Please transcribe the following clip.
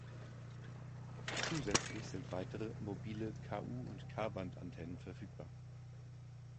Zusätzlich sind weitere, mobile Ku- und K-Band-Antennen verfügbar.